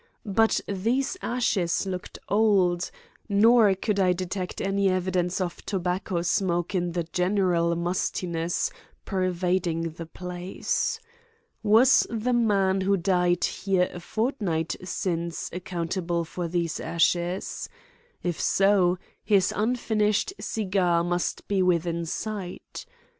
But these ashes looked old, nor could I detect any evidence of tobacco smoke in the general mustiness pervading the place. Was the man who died here a fortnight since accountable for these ashes? If so, his unfinished cigar must be within sight.